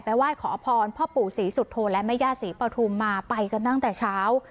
ไหว้ขอพรพ่อปู่ศรีสุโธและแม่ย่าศรีปฐุมมาไปกันตั้งแต่เช้า